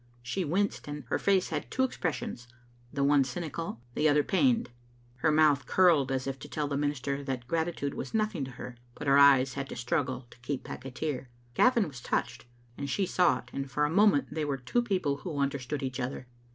She winced, and her face had two expressions, the one cynical, the other pained. Her mouth curled as if to tell the minister that gratitude was nothing to her, but her eyes had to struggle to keep back a tear. Gavin was touched, and she saw it, and for a moment they were two people who understood each other.